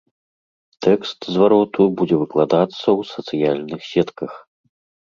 Тэкст звароту будзе выкладацца ў сацыяльных сетках.